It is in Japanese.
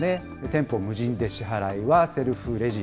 店舗、無人で支払いはセルフレジ。